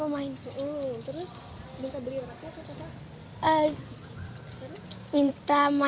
minta beli raket atau apa